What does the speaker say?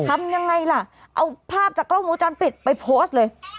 ทำยังไงล่ะเอาภาพจากกล้องวงจรปิดไปโพสต์เลย